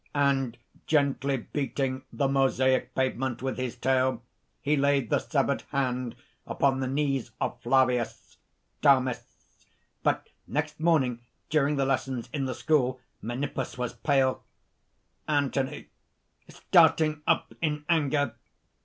"And gently beating the mosaic pavement with his tail, he laid the severed hand upon the knees of Flavius." DAMIS. "But next morning, during the lessons in the school, Menippus was pale." ANTHONY (starting up in anger).